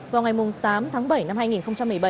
vào ngày tám tháng bảy năm hai nghìn một mươi bảy